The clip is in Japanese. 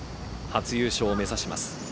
初優勝を目指します。